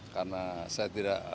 karena saya tidak